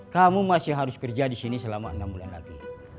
kamu masih harus kerja di sini selama enam bulan lagi